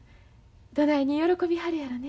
どないに喜びはるやろね。